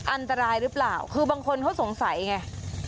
อันตรายหรือเปล่าคือบางคนเขาสงสัยไง